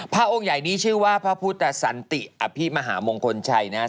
พระองค์ใหญ่นี้ชื่อว่าพระพุทธสันติอภิมหามงคลชัยนะครับ